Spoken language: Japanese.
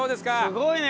すごいね！